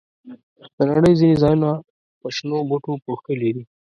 د نړۍ ځینې ځایونه په شنو بوټو پوښلي دي.